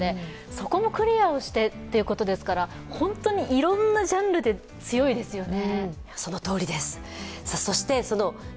そこもクリアをしてということですから、本当にいろんなジャンルで強いですよね。